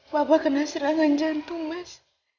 bapak kena serangan jantung mas